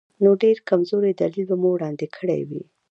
نو ډېر کمزوری دلیل به مو وړاندې کړی وي.